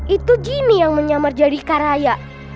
itu jinny yang menyamar jadi kak raya